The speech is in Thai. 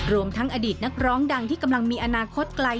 รวมทั้งอดีตนักร้องดังที่กำลังมีอนาคตไกล